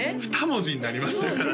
２文字になりましたからね